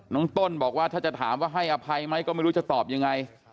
ต้นบอกว่าถ้าจะถามว่าให้อภัยไหมก็ไม่รู้จะตอบยังไง